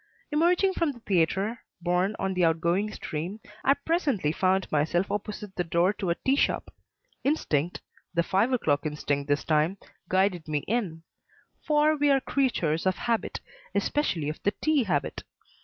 Emerging from the theatre, borne on the outgoing stream, I presently found myself opposite the door of a tea shop. Instinct the five o'clock instinct this time guided me in; for we are creatures of habit, especially of the tea habit.